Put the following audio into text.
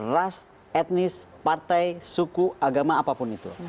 ras etnis partai suku agama apapun itu